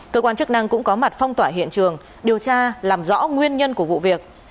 cơ quan chức năng cũng có mặt phong tỏa hiện trường điều tra làm rõ nguyên nhân của vụ việc